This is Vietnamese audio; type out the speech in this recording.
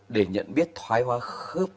để nhận biết thoái hoa khớp